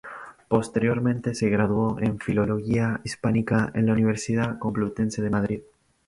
Posteriormente se graduó en Filología Hispánica en la Universidad Complutense de Madrid.